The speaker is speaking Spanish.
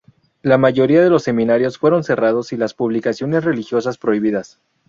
La mayoría de los seminarios fueron cerrados y las publicaciones religiosas prohibidas.